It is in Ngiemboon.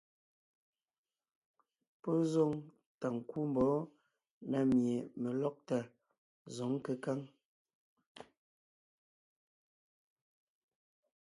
Pɔ́ zoŋ tà ńkú mbɔ̌ na mie melɔ́gtà zǒŋ kékáŋ.